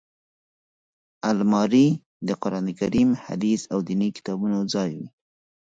الماري د قران کریم، حدیث او ديني کتابونو ځای وي